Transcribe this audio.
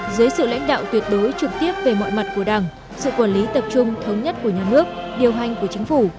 dưới sự lãnh đạo tuyệt đối trực tiếp về mọi mặt của đảng sự quản lý tập trung thống nhất của nhà nước điều hành của chính phủ